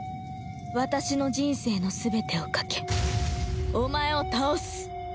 私の人生の全てを懸けお前を倒す！